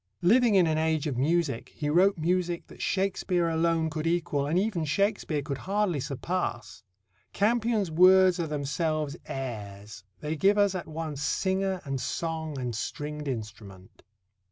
Living in an age of music, he wrote music that Shakespeare alone could equal and even Shakespeare could hardly surpass. Campion's words are themselves airs. They give us at once singer and song and stringed instrument.